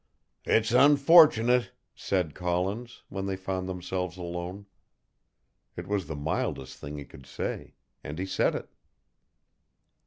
"It's unfortunate," said Collins, when they found themselves alone. It was the mildest thing he could say, and he said it.